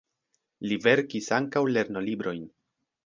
Li verkis ankaŭ lernolibrojn.